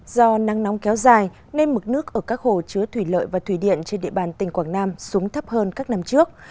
do nắng nóng kéo dài nên mực nước ở các hồ chứa thủy lợi và thủy điện trên địa bàn tỉnh quảng nam xuống thấp hơn các năm trước